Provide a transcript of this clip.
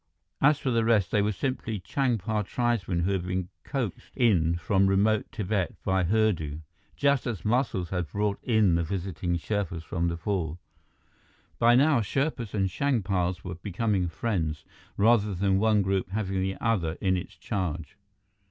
As for the rest, they were simply Changpa tribesmen who had been coaxed in from remote Tibet by Hurdu, just as Muscles had brought in the visiting Sherpas from Nepal. By now, Sherpas and Changpas were becoming friends, rather than one group having the other in its charge.